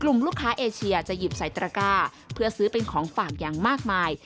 ลูกค้าเอเชียจะหยิบใส่ตระก้าเพื่อซื้อเป็นของฝากอย่างมากมาย